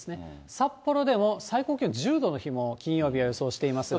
札幌でも最高気温１０度の日も、金曜日は予想していますが。